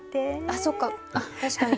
あっそっか確かに。